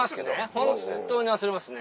本当に忘れますね。